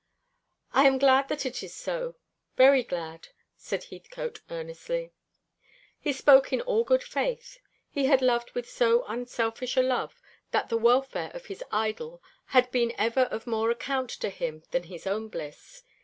"I am glad that it is so, very glad," said Heathcote earnestly. He spoke in all good faith. He had loved with so unselfish a love that the welfare of his idol had been ever of more account to him than his own bliss.